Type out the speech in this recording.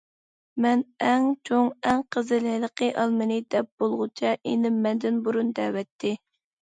مەن ئەك چوڭ، ئەڭ قىزىل ھېلىقى ئالمىنى دەپ بولغۇچە ئىنىم مەندىن بۇرۇن دەۋەتتى.